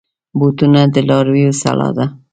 بوټونه د لارویو سلاح ده.